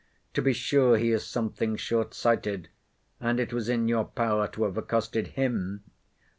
To be sure he is something shortsighted; and it was in your power to have accosted him.